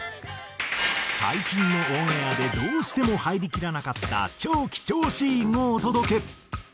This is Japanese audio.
最近のオンエアでどうしても入りきらなかった超貴重シーンをお届け。